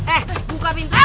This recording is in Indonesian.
eh buka pintunya